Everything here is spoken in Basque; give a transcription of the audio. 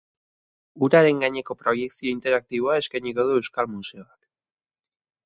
Uraren gaineko proiekzio interaktiboa eskainiko du euskal museoak.